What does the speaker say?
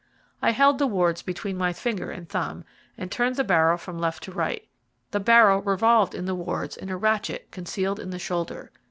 I held the wards between my finger and thumb, and turned the barrel from left to right. The barrel revolved in the wards in a ratchet concealed in the shoulder.